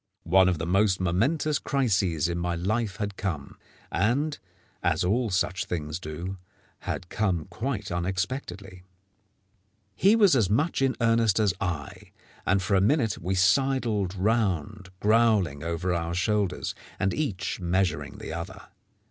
One of the most momentous crises in my life had come, and, as all such things do, had come quite unexpectedly. He was as much in earnest as I, and for a minute we sidled round growling over our shoulders, and each measuring the other.